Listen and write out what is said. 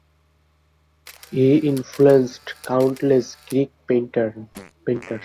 He influenced countless Greek painters.